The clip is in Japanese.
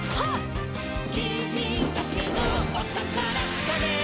「きみだけのおたからつかめ！」